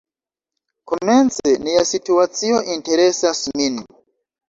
Komence nia situacio interesas min.